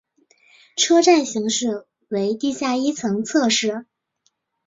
车站型式为地下一层侧式。